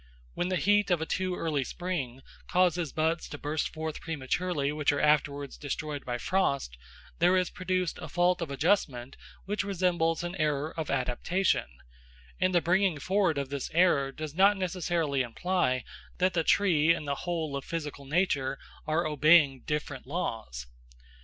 When the heat of a too early spring causes buds to burst forth prematurely which are afterwards destroyed by frost, there is produced a fault of adjustment which resembles an error of adaptation, and the bringing forward of this error does not necessarily imply that the tree and the whole of physical nature are obeying different laws.